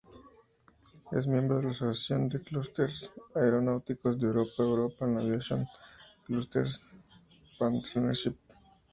Es miembro de la asociación de clusters aeronáuticos de Europa European Aviation Clusters Partnership.